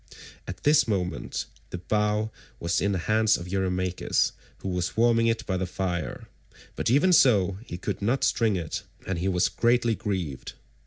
At this moment the bow was in the hands of Eurymachus, who was warming it by the fire, but even so he could not string it, and he was greatly grieved.